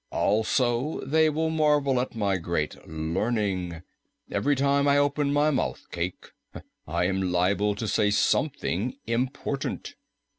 Also, they will marvel at my great learning. Every time I open my mouth, Cayke, I am liable to say something important."